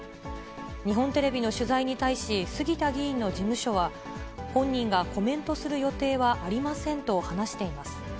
日本テレビの取材に対し、杉田議員の事務所は、本人がコメントする予定はありませんと話しています。